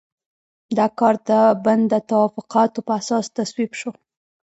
دا کار د بن د توافقاتو په اساس تصویب شو.